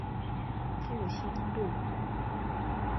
復興路